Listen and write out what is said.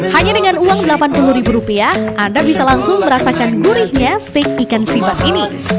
hanya dengan uang delapan puluh ribu rupiah anda bisa langsung merasakan gurihnya steak ikan sibas ini